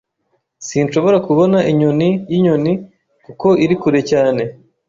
Sinshobora kubona inyoni yinyoni, kuko iri kure cyane.